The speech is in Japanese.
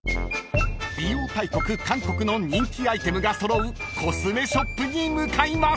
［美容大国韓国の人気アイテムが揃うコスメショップに向かいます］